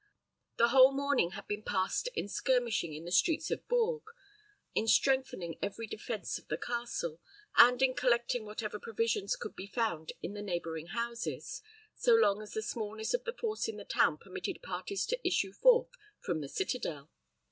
The whole morning had been passed in skirmishing in the streets of Bourges, in strengthening every defense of the castle, and in collecting whatever provisions could be found in the neighboring houses, so long as the smallness of the force in the town permitted parties to issue forth from the citadel.